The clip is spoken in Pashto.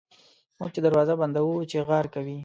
موږ چي دروازه بندوو چیغهار کوي.